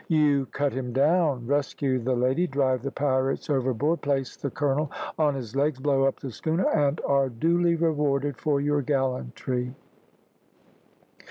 You cut him down, rescue the lady, drive the pirates overboard, place the colonel on his legs, blow up the schooner, and are duly rewarded for your gallantry."